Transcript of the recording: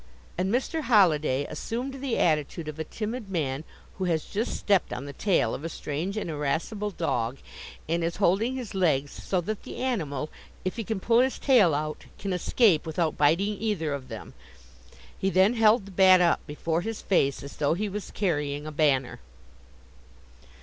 And Mr. Holliday assumed the attitude of a timid man who has just stepped on the tail of a strange and irascible dog, and is holding his legs so that the animal, if he can pull his tail out, can escape without biting either of them. He then held the bat up before his face as though he was carrying a banner.